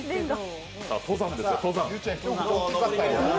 登山ですよ、登山。